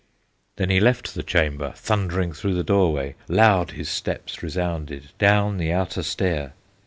Then he left the chamber, Thundering through the doorway, Loud his steps resounded Down the outer stair.